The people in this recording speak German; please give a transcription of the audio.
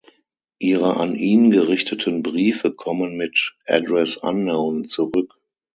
Ihre an ihn gerichteten Briefe kommen mit "Address unknown" zurück.